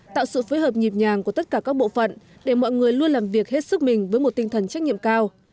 tạo sự phối hợp nhịp nhàng của tất cả các bộ phận để mọi người luôn làm việc hết sức mình với một tinh thần trách nhiệm cao